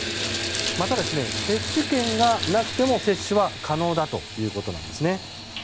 また、接種券がなくても接種は可能だということです。